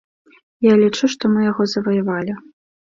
І я лічу, што мы яго заваявалі.